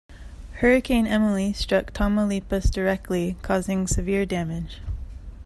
Hurricane Emily struck Tamaulipas directly, causing severe damage.